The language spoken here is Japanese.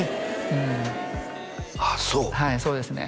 うんああそうはいそうですね